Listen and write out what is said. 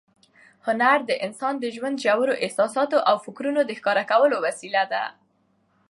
هنر د انسان د ژوند ژورو احساساتو او فکرونو د ښکاره کولو وسیله ده.